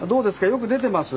よく出てます？